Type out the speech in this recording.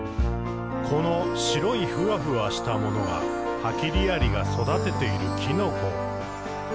「この白いふわふわしたものがハキリアリが育てているきのこ。」